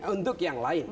untuk yang lain